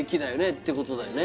ってことだよね？